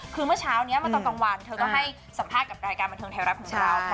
คือเมื่อเช้านี้มาตอนกลางวันเธอก็ให้สัมภาษณ์กับรายการบันเทิงไทยรัฐของเรา